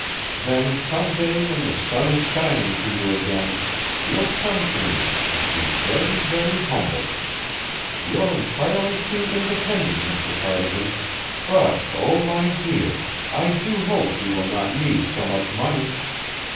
Then, some day when the sun is shining for you again, you'll come to me and be very, very humble. You're entirely too independent, Mr. Cardigan, but, oh, my dear, I do hope you will not need so much money.